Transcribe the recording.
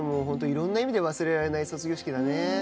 ホントいろんな意味で忘れられない卒業式だね。